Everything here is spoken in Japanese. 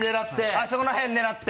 あそこら辺狙って。